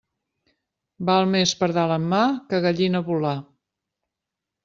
Val més pardal en mà que gallina volar.